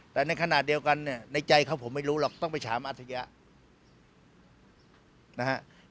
แต่ในขณะเดียวกันในใจเขาผมไม่รู้หรอกต้องไปฉามอัธยะ